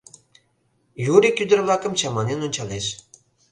Юрик ӱдыр-влакым чаманен ончалеш: